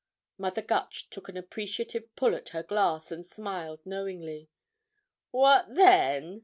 Mother Gutch took an appreciative pull at her glass and smiled knowingly. "What then?"